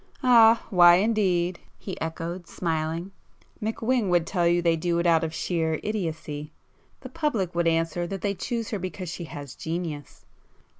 "Ah, why indeed!" he echoed smiling—"McWhing would tell you they do it out of sheer idiotcy;—the public would answer that they choose her because she has genius."